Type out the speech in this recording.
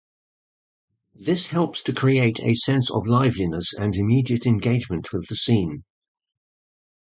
This helps to create a sense of liveliness and immediate engagement with the scene.